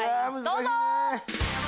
どうぞ！